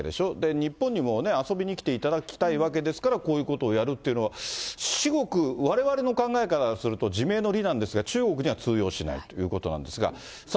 日本にも遊びに来ていただきたいわけですから、こういうことをやるっていうのは、至極、われわれの考えからすると自明の理なんですが、中国には通用しないということなんですが、さあ